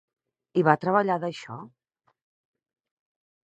I va treballar d'això?